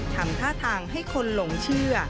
ทำท่าทางให้คนหลงเชื่อ